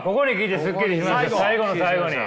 最後の最後に。